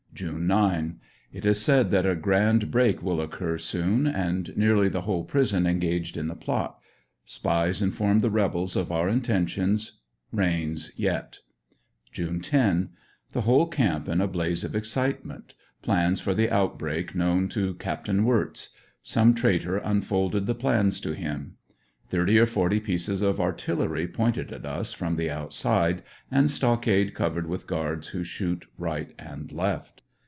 June 9 — It is said tliat a grand break will occur soon, and nearly the whole prison engaged in the plot, Spies inform the rebels of our intentions. Rains yet. June 10. — The whole camp in a blaze of excitement. Plans for the outbreak known to Capt. Wirtz. Some traitor unfolded the plans to him Thirty or forty pieces of artillery pointed at us from the outside, and stockade covered with guards who shoot right and left.